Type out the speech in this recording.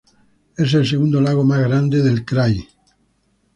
Es el segundo lago más grande del "krai".